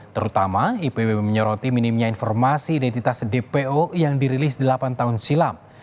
terutama ipw menyoroti minimnya informasi identitas dpo yang dirilis delapan tahun silam